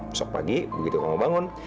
besok pagi begitu kamu bangun